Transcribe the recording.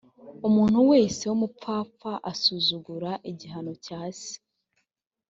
umuntu wese w’umupfapfa asuzugura igihano cya se